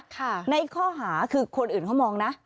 ในข้อหาคือคนอื่นเขามองนะ